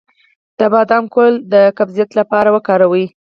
د بادام ګل د قبضیت لپاره وکاروئ